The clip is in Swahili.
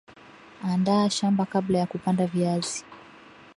andaa shamba kabla ya kupanda viazi